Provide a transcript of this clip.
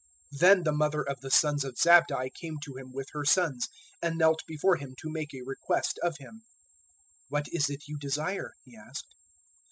020:020 Then the mother of the sons of Zabdi came to Him with her sons, and knelt before Him to make a request of Him. 020:021 "What is it you desire?" He asked.